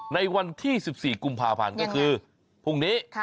ในวันที่๑๔กุมภาพันธ์ก็คือพรุ่งนี้